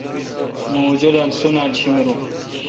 مہ اوں جولال سُونالا شیمروں۔